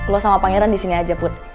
lo sama pangeran disini aja put